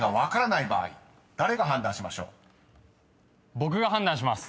僕が判断します。